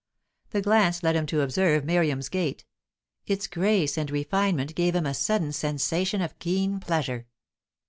The glance led him to observe Miriam's gait; its grace and refinement gave him a sudden sensation of keen pleasure.